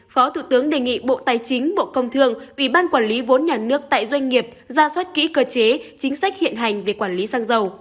phó thủ tướng đề nghị bộ tài chính bộ công thương ủy ban quản lý vốn nhà nước tại doanh nghiệp ra soát kỹ cơ chế chính sách hiện hành về quản lý xăng dầu